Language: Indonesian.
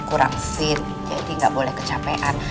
kurang fit jadi gak boleh kecapean